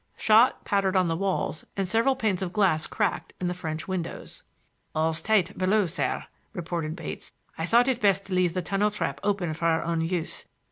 Shot pattered on the wails and several panes of glass cracked in the French windows. "All's tight below, sir," reported Bates. "I thought it best to leave the tunnel trap open for our own use.